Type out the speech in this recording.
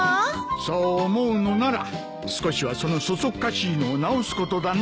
そう思うのなら少しはそのそそっかしいのを直すことだな。